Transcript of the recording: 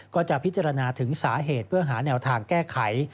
ก็จะพิจารณาถึงสาเหตุเพื่อหาแนวทางแก้ไข